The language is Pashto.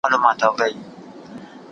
د طویل مدت پالیسۍ پایلې ښې دي.